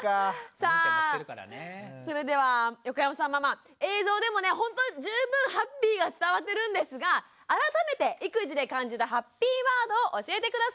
さあそれでは横山さんママ映像でもねほんと十分ハッピーが伝わってるんですが改めて育児で感じたハッピーワードを教えて下さい。